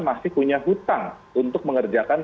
masih punya hutang untuk mengerjakan